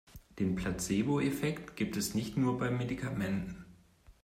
Den Placeboeffekt gibt es nicht nur bei Medikamenten.